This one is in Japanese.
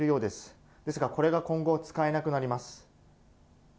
ですが、これが今後使えなくなります。